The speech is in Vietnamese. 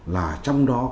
là trong đó